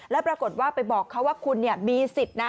แล้วปรากฏว่าไปบอกเขาว่าคุณมีสิทธิ์นะ